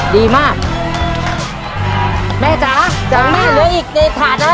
ดีมากแม่จ๋าจ๋าหลายอีกหลายอีกถาดนะ